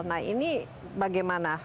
nah ini bagaimana